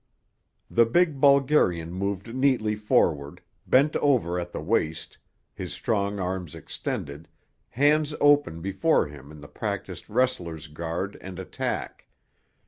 The big Bulgarian moved neatly forward, bent over at the waist, his strong arms extended, hands open before him in the practised wrestler's guard and attack.